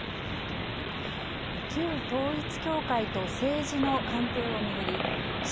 旧統一教会と政治の関係を巡り岸